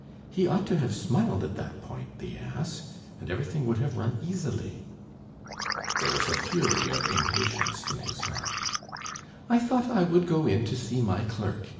"He ought to have smiled at that point, the ass, and everything would have run easily." There was a fury of impatience in his heart. "I thought I would go in to see my clerk.